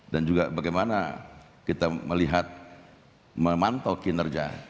dan juga bagaimana kita melihat memantau kinerja